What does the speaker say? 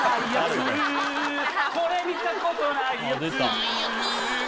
これ見たことないやつないやつ。